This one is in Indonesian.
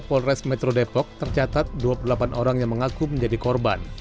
polres metro depok tercatat dua puluh delapan orang yang mengaku menjadi korban